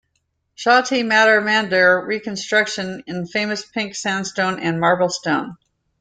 Chotti mata mandir reconstruction in famous pink sandstone and marble stone.